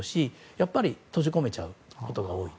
やっぱり閉じ込めちゃうことが多いと。